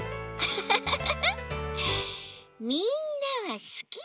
フフフフ。